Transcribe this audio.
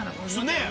ねえ。